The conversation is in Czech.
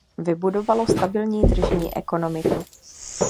Vybudovalo stabilní tržní ekonomiku.